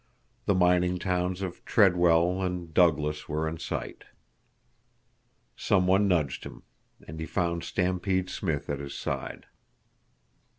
The mining towns of Treadwell and Douglas were in sight. Someone nudged him, and he found Stampede Smith at his side.